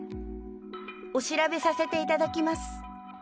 お調べさせていただきます。